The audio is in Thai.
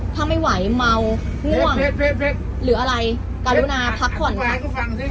ถ้าไม่ไหวเมาง่วงหรืออะไรการุณาพักผ่อนไหม